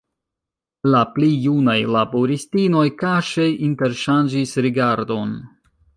La pli junaj laboristinoj kaŝe interŝanĝis rigardon.